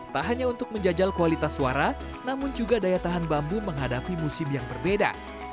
tak hanya untuk menjajal kualitas suara namun juga daya tahan bambu menghadapi musim yang berbeda